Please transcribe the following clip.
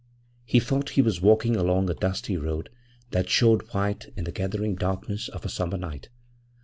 He thought he was walking along a dusty road that showed white in the gathering darkness of a summer night.